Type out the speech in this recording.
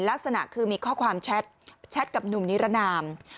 ลักษณะคือมีข้อความแชทกับหนุ่มนิรนาม